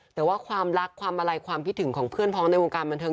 แต่ว่าความรักความอะไรความคิดถึงของเพื่อนพ้องในวงการบันเทิ